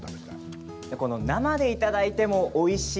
この生でいただいてもおいしい